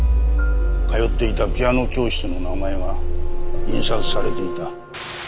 通っていたピアノ教室の名前が印刷されていた。